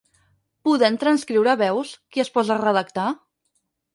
Podent transcriure veus, qui es posa a redactar?